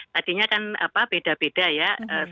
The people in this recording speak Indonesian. tadinya kan beda beda ya satu dua tiga satu dua empat